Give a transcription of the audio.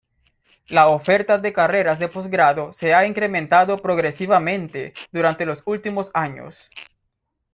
La oferta de carreras de posgrado se ha incrementado progresivamente durante los últimos años.